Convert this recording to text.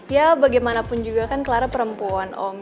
ya bagaimanapun juga kan clara perempuan om